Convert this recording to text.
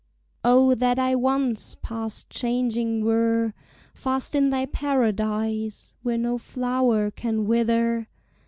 O that I once past changing were, Fast in thy paradise, where no flower can wither!